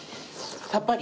さっぱり？